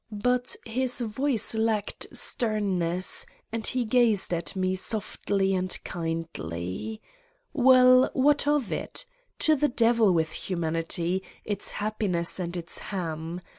But his voice lacked sternness and he gazed at me softly and kindly. Well, what of it? To the devil with humanity, its happiness and its ham